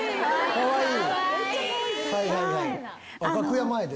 かわいい！